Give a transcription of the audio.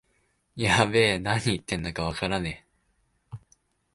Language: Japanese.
やべえ、なに言ってんのかわからねえ